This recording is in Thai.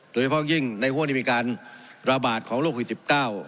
โดยเฉพาะยิ่งในห้วงที่มีการระบะของโรคควิด๑๙